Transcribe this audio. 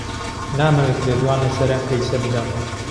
نامەوێت لێدوان لەسەر ئەم کەیسە بدەم.